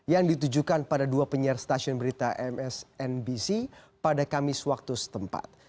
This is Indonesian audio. yang ditujukan pada dua penyiar stasiun berita msnbc pada kamis waktu setempat